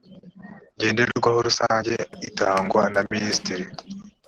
ngenderwaho rusange itangwa na minisitiri